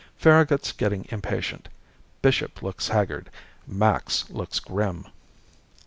Farragut's getting impatient. Bishop looks haggard. Max looks grim.